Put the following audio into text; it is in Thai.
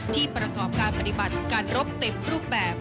ประกอบการปฏิบัติการรบเต็มรูปแบบ